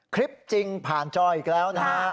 คลิปจริงผ่านจ้อยอีกแล้วนะครับ